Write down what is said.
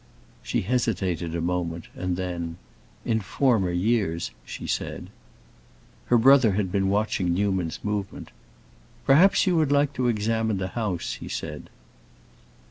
She hesitated a moment, and then, "In former years," she said. Her brother had been watching Newman's movement. "Perhaps you would like to examine the house," he said.